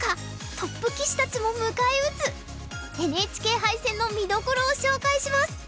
トップ棋士たちも迎え撃つＮＨＫ杯戦の見どころを紹介します。